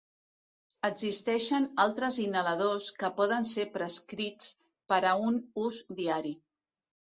Existeixen altres inhaladors que poden ser prescrits per a un ús diari.